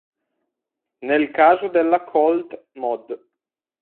Nel caso della Colt mod.